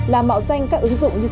là mạo danh các ứng dụng như này